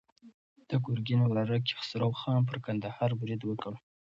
د ګرګین وراره کیخسرو خان پر کندهار برید وکړ.